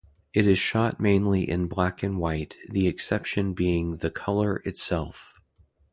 It is shot mainly in black and white, the exception being the "Colour" itself.